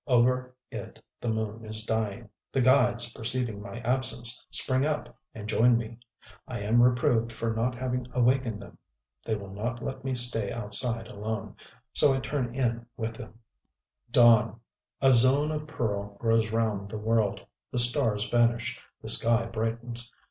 Over it the moon is dying.... The guides, perceiving my absence, spring up and join me. I am reproved for not having awakened them. They will not let me stay outside alone: so I turn in with them. Dawn: a zone of pearl grows round the world. The stars vanish; the sky brightens.